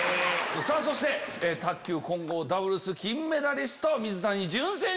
そして卓球混合ダブルス金メダリスト水谷隼選手。